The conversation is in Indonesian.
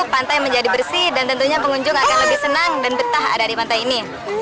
pantai menjadi bersih dan tentunya pengunjung akan lebih senang dan betah ada di pantai ini